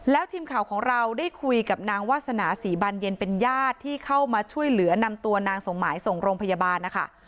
แล้วทีมข่าวของเราได้คุยกับนางวาสนาศรีบานเย็นเป็นญาติที่เข้ามาช่วยเหลือนำตัวนางสมหมายส่งโรงพยาบาลนะคะ